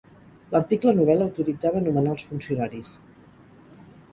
L'article novè l'autoritzava a nomenar els funcionaris.